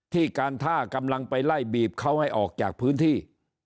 การท่ากำลังไปไล่บีบเขาให้ออกจากพื้นที่